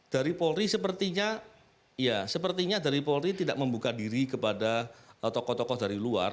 dari polri sepertinya ya sepertinya dari polri tidak membuka diri kepada tokoh tokoh dari luar